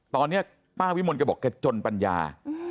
ตอนเนี่ยป้าพี่มนต์ก็บอกแกจนปัญญา